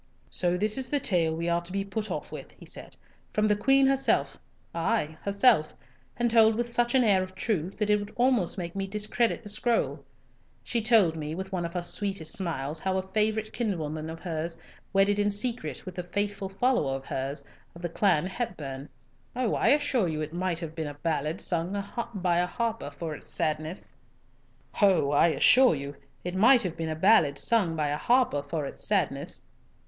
"So this is the tale we are to be put off with," he said, "from the Queen herself, ay, herself, and told with such an air of truth that it would almost make me discredit the scroll. She told me with one of her sweetest smiles how a favourite kinswoman of hers wedded in secret with a faithful follower of hers, of the clan Hepburn. Oh, I assure you it might have been a ballad sung by a harper for its sadness.